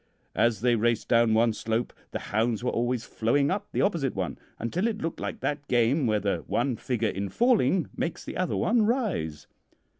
As they raced down one slope, the hounds were always flowing up the opposite one, until it looked like that game where the one figure in falling makes the other one rise.